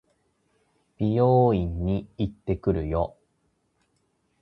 美容院に行ってくるよ。